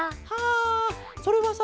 あそれはさ